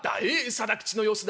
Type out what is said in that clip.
定吉の様子だ。